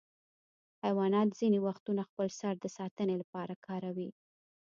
حیوانات ځینې وختونه خپل سر د ساتنې لپاره کاروي.